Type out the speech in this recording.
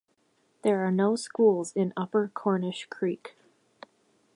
There are no schools in Upper Cornish Creek.